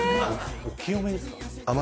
おお清めですか？